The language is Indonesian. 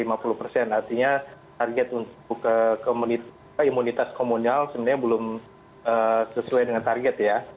artinya target untuk imunitas komunal sebenarnya belum sesuai dengan target ya